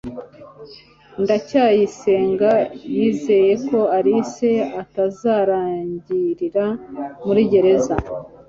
ndacyayisenga yizeye ko alice atazarangirira muri gereza